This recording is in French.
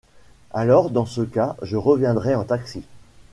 Alors, dans ce cas, je reviendrai en taxi.